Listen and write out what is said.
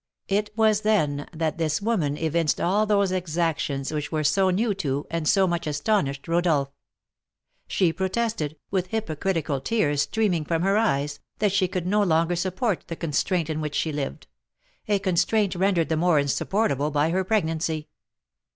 It was then that this woman evinced all those exactions which were so new to, and so much astonished, Rodolph. She protested, with hypocritical tears streaming from her eyes, that she could no longer support the constraint in which she lived; a constraint rendered the more insupportable by her pregnancy.